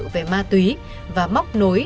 về ma túy và móc nối